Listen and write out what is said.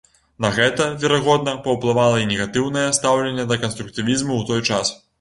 На гэта, верагодна, паўплывала і негатыўнае стаўленне да канструктывізму ў той час.